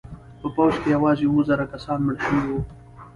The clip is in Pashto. په پوځ کې یوازې اوه زره کسان مړه شوي وو.